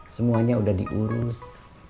semuanya udah diurus